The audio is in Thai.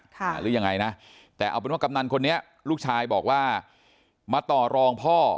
หรือยังไงนะแต่เอาเป็นว่ากำนันคนนี้ลูกชายบอกว่ามาต่อรองพ่อ